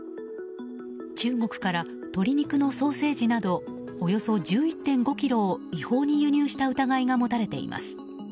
中国から、鶏肉のソーセージなどおよそ１１．５ｋｇを違法に輸入した疑いが持たれています。